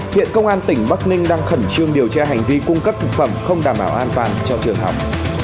hiện công an tỉnh bắc ninh đang khẩn trương điều tra hành vi cung cấp thực phẩm không đảm bảo an toàn cho trường học